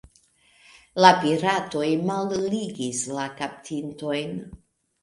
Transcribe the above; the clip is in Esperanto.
La piratoj malligis la kaptitojn.